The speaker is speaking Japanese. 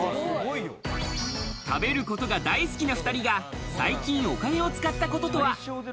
食べることが大好きな２人が最近、お金を使ったこととは？